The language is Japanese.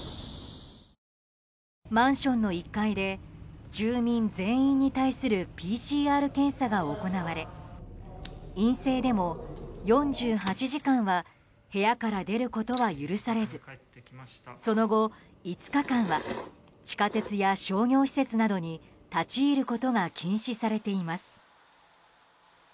マンションの１階で住民全体に対するＰＣＲ検査が行われ陰性でも４８時間は部屋から出ることは許されずその後、５日間は地下鉄や商業施設などに立ち入ることが禁止されています。